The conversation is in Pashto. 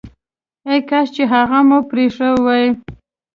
ای کاش چي هغه مو پريښی وو!